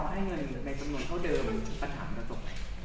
ในจำนวนเท่าเดิมปัญหามันจะตกไป